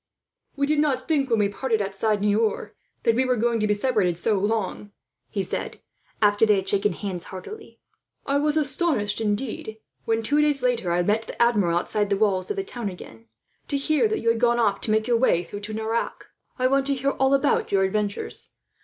"We did not think, when we parted outside Niort, that we were going to be separated so long," he said, after they had shaken hands heartily. "I was astonished indeed when, two days later, I met the Admiral outside the walls of the town again, to hear that you had gone off to make your way through to Nerac. "I want to hear all your adventures.